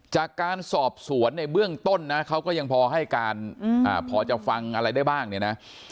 จากการสอบสวนในเบื้องต้นนะเขาก็ยังพอให้การพอจะฟังอะไรได้บ้างเนี่ยนะ